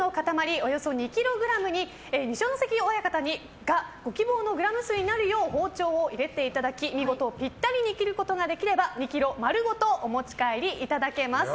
およそ２ｋｇに二所ノ関親方がご希望のグラム数になるよう包丁を入れていただき見事ピッタリに切ることができれば２ｋｇ丸ごとお持ち帰りいただけます。